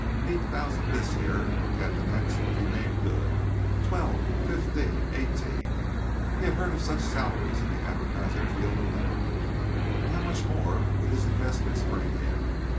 Eight thousand this year! Ten the next if he made good; twelve, fifteen, eighteen He had heard of such salaries in the advertising field alone, and how much more would his investments bring him.